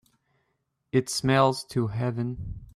It smells to heaven